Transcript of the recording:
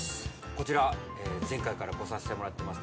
こちら、前回から来させてもらってます